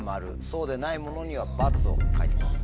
そうでないものには「×」を書いてください。